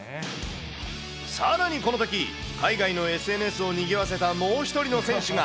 さらにこのとき、海外のＳＮＳをにぎわせたもう１人の選手が。